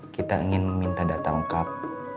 kita ingin meminta data lengkap